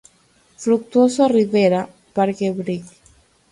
Fructuoso Rivera", "Parque Brig.